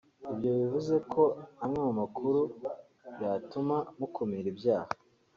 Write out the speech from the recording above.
Ibyo bivuze ko amwe mu makuru yatuma mukumira ibyaha